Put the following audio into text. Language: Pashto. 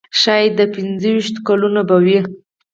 ښایي د پنځه ویشتو کلونو به وي.